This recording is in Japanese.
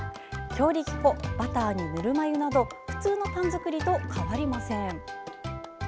強力粉、バターにぬるま湯など普通のパン作りと変わりません。